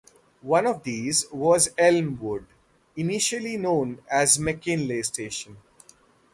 One of these was Elmwood, initially known as McKinley's Station.